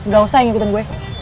gak usah ngikutin gue